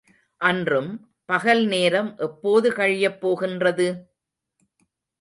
அன்றும் பகல் நேரம் எப்போது கழியப் போகின்றது?